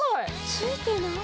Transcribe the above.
付いてない。